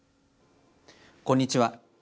こんにちは。